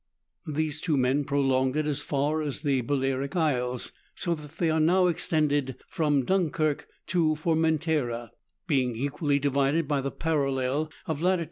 These two men prolonged it as far as the Balearic Isles, so that the arc now extended from Dunkirk to Formentera, being equally divided by the parallel of lat.